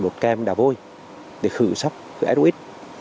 đốt kem đá vôi để khử sốc khử s u x